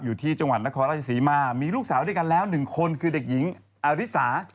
อยู่ที่จังหวัดนครราชศรีมามีลูกสาวด้วยกันแล้ว๑คนคือเด็กหญิงอาริสา